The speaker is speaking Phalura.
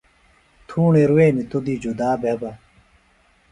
تھوݨی روینی توۡ دی جدا بھےۡ بہ۔